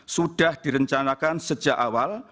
sudah direncanakan sejak awal